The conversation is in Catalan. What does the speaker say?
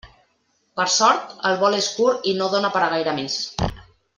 Per sort, el vol és curt i no dóna per a gaire més.